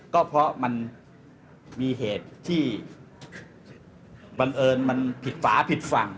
ก็เพราะมันมีเหตุที่บังเอิญมันผิดฝาผิดฝั่ง